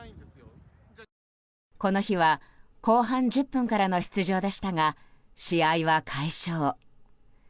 この日は後半１０分からの出場でしたが試合は快勝。